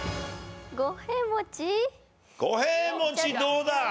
五平餅どうだ？